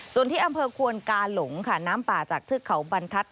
ส่วนที่อำเภอควนกาหลงค่ะน้ำป่าจากเทือกเขาบรรทัศน